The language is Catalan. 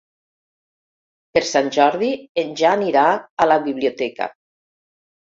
Per Sant Jordi en Jan irà a la biblioteca.